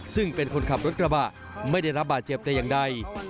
ซึ่งเป็นคนขับรถกระบะไม่ได้รับบาดเจ็บแต่อย่างใด